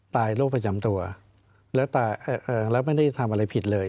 ตายโรคประจำตัวแล้วไม่ได้ทำอะไรผิดเลย